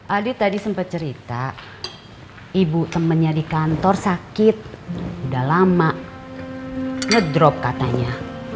adi tadi sempat cerita ibu temennya di kantor sakit udah lama ngedrop katanya